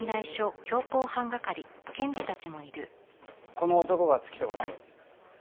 この男が突き飛ばした奴。